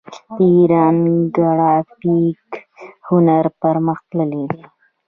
د ایران ګرافیک هنر پرمختللی دی.